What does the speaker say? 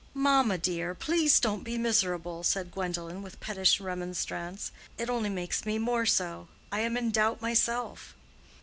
"Mamma, dear, please don't be miserable," said Gwendolen, with pettish remonstrance. "It only makes me more so. I am in doubt myself."